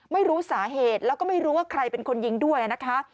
ไม่รู้สาเหตุแล้วก็ไม่รู้ว่าใครเป็นคนยิงด้วยนะคะ